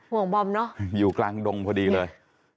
ห่วงบอมเนอะอยู่กลางดงพอดีเลย